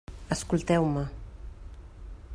Escolteu-me.